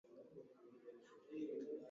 Ukirudi niletee sindano ya kushonea nguo